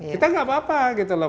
kita gak apa apa gitu lah